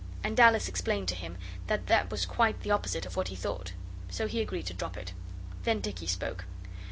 And Alice explained to him that that was quite the opposite of what he thought. So he agreed to drop it. Then Dicky spoke.